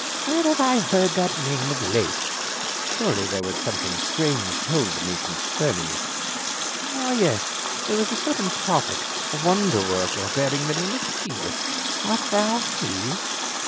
" Where have I heard that name of late ? Surely there was something strange told me concerning it. Ah yes, there was a certain prophet, a wonder worker bearing the name of Jesus ; art thou he?"